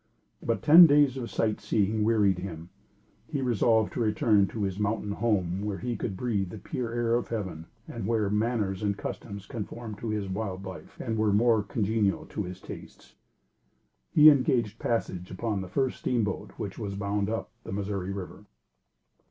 But, ten days of sight seeing wearied him. He resolved to return to his mountain home where he could breathe the pure air of heaven and where manners and customs conformed to his wild life and were more congenial to his tastes. He engaged passage upon the first steamboat which was bound up the Missouri River.